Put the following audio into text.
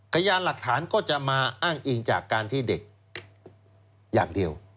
พยานหลักฐานก็จะมาอ้างอิงจากการที่เด็กอย่างเดียว